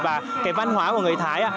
và cái văn hóa của người thái